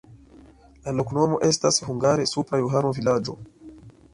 La loknomo estas hungare: supra-Johano-vilaĝo.